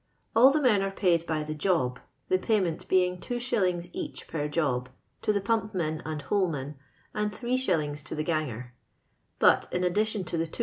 All the men are' paid by the job, the payment being 2#. each per job, to the pump men and holeman, and 85. to the ganger; but in addition to the 2s.